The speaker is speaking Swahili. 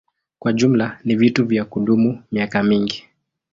Kwa jumla ni vitu vya kudumu miaka mingi.